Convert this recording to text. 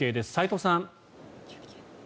齋藤さん。